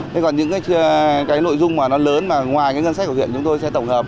thế còn những cái nội dung mà nó lớn mà ngoài cái ngân sách của huyện chúng tôi sẽ tổng hợp